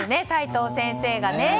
齋藤先生がね。